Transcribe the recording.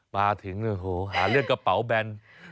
มาถึงโอ้โหหาเรื่องกระเป๋าแบน